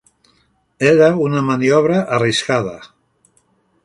Era una maniobra arriscada.